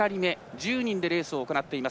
１０人でレースを行っています。